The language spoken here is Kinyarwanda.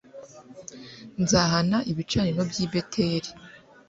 nzahana ibicaniro by'i beteli